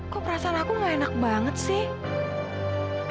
kok perasaan aku gak enak banget sih